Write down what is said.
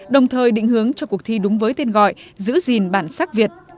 đồng thời định hướng cho cuộc thi đúng với tên gọi giữ gìn bản sắc việt